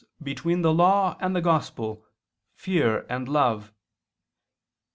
'] between the Law and the Gospel fear and love."